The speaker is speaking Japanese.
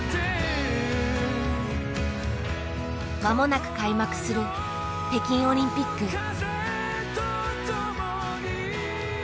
間もなく開幕する北京オリンピック。